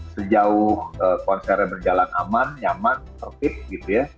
sejauh konsernya berjalan aman nyaman tertib